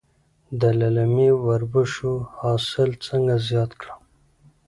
د للمي وربشو حاصل څنګه زیات کړم؟